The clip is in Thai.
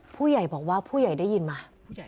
ผู้ใหญ่บอกว่าผู้ใหญ่ได้ยินมา